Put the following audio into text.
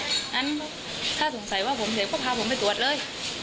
งั้นถ้าสงสัยว่าผมเห็นก็พาผมไปตรวจเลย